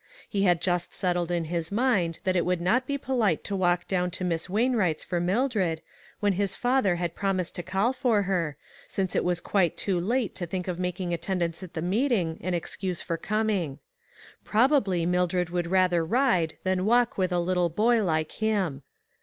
He had just settled in his mind that it would not be polite to walk down to Miss Wainwright's for Mildred, when his father ONE OF THE HOPELESS CASES. 329 had promised to call for her, since it was quite too late to think of making attendance at the meeting an excuse for coming. Prob ably Mildred would rather ride than walk with a little boy like him.